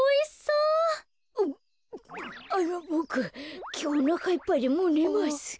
うっあのボクきょうおなかいっぱいでもうねます。